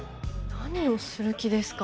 何をする気ですか？